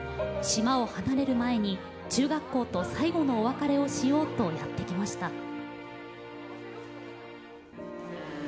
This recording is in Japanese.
島を離れる前に中学校と最後のお別れをしようとやって来ました。